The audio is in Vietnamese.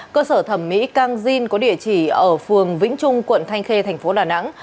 cơ sở thẩm mỹ cang jin có địa chỉ ở phường vĩnh trung quận thanh khê tp đà nẵng